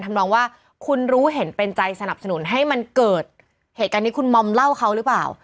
ทำนองว่าคุณรู้เห็นเป็นใจสนับสนุนให้มันเกิดเหตุการณ์นี้คุณมอมเล่าเขาหรือเปล่า